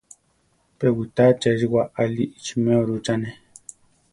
Pe witá achésiwa aʼli ichiméa rúchane.